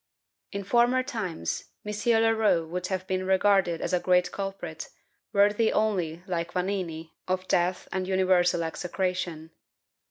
In former times, M. Leroux would have been regarded as a great culprit, worthy only (like Vanini) of death and universal execration.